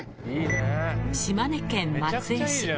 島根県松江市